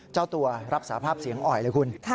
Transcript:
เจ้าตัวรับสาภาพเสียงอ่อยเลยคุณ